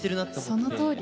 そのとおり。